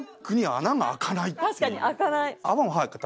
確かにあかない！